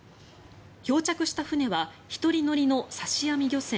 漂着した船は１人乗りの刺し網漁船